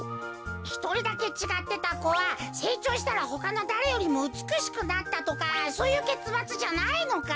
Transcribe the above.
ひとりだけちがってたこはせいちょうしたらほかのだれよりもうつくしくなったとかそういうけつまつじゃないのか？